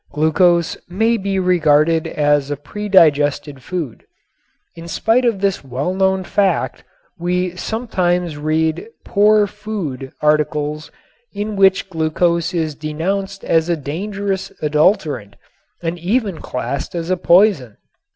Glucose may be regarded as a predigested food. In spite of this well known fact we still sometimes read "poor food" articles in which glucose is denounced as a dangerous adulterant and even classed as a poison.